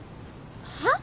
はっ？